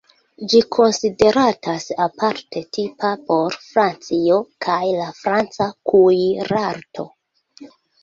Ĝi konsideratas aparte tipa por Francio kaj la franca kuirarto.